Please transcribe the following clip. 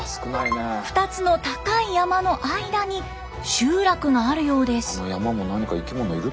２つの高い山の間に集落があるようです。